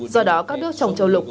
do đó các nước chồng châu lục